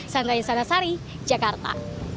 sanggain sanasari jakarta